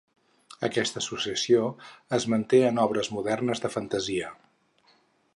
Aquesta associació es manté en obres modernes de fantasia.